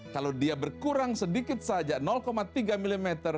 kalau dia berkurang sedikit saja tiga mm